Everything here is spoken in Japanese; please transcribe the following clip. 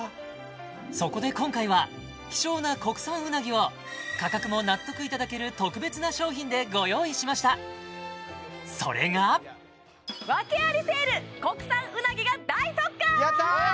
そこで今回は希少な国産うなぎを価格も納得いただける特別な商品でご用意しましたそれがやったー！